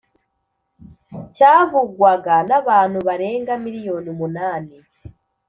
cyavugwaga n’abantu barenga miriyoni umunani